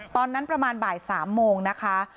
ตอนนั้นประมาณบ่าย๓โมงนะคะ